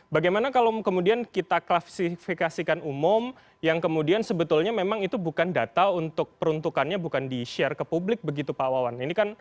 bagaimana kalau kemudian kita klasifikasikan umum yang kemudian sebetulnya memang itu bukan data untuk peruntukannya bukan di share ke publik begitu pak wawan